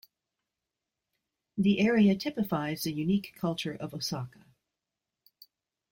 The area typifies the unique culture of Osaka.